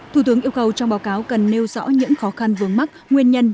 thủ tướng yêu cầu trong báo cáo cần nêu rõ những khó khăn vướng mắt nguyên nhân